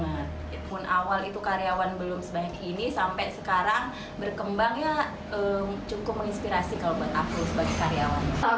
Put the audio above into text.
walaupun awal itu karyawan belum sebanyak ini sampai sekarang berkembangnya cukup menginspirasi kalau buat aku sebagai karyawan